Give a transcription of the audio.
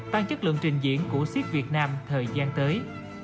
tăng chất lượng trình diễn của siếc việt nam thời gian tới